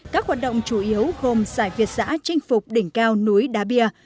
các hoạt động chủ yếu gồm giải việt giã chinh phục đỉnh cao núi đá bia